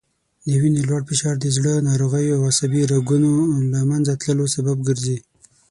وینې لوړ فشار د زړه ناروغیو او عصبي رګونو له منځه تللو سبب ګرځي